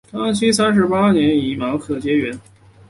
康熙三十八年己卯科解元。